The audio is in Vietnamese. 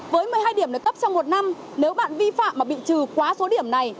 với một mươi hai điểm được cấp trong một năm nếu bạn vi phạm mà bị trừ quá số điểm này